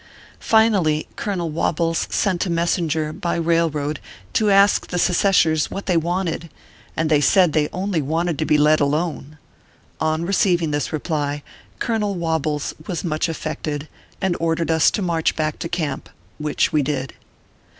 Finally, Colonel Wobbles sent a messenger, by railroad, to ask the seceshers what they wanted, and they said they only wanted to be let alone. On receiving this reply, Colonel Wobbles was much affected, and ordered us to march back to camp, which we did.